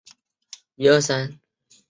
疏花马蓝属是爵床科下的一个属。